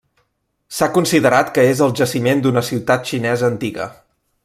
S'ha considerat que és el jaciment d'una ciutat xinesa antiga.